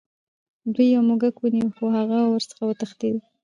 دوی یو موږک ونیو خو هغه ورڅخه وتښتید.